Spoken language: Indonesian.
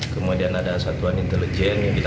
kemudian ada satuan intelijen yang kita turunkan